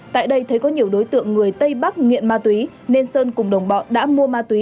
tại đây thấy có nhiều đối tượng người tây bắc nghiện ma túy nên sơn cùng đồng bọn đã mua ma túy